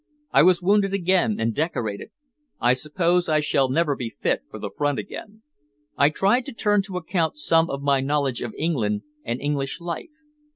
I was wounded again and decorated. I suppose I shall never be fit for the front again. I tried to turn to account some of my knowledge of England and English life.